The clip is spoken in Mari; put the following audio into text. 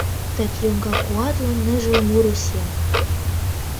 Тек йоҥга куатлын ныжыл муро сем.